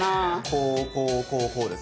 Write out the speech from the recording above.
こうこうこうこうですかね？